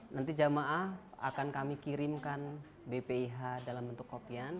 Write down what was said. nanti jamaah akan kami kirimkan bpih dalam bentuk kopian